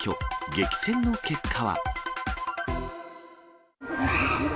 激戦の結果は？